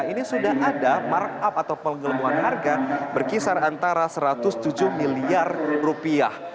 ini sudah ada markup atau penggelembuhan harga berkisar antara satu ratus tujuh miliar rupiah